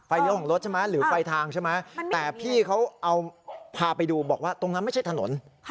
ไฟเลี้ยวของรถหรือไฟทางแต่พี่เขาพาไปดูบอกว่าตรงนั้นไม่ใช่ถนน